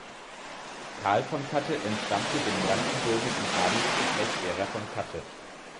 Karl von Katte entstammte dem brandenburgischen Adelsgeschlecht derer von Katte.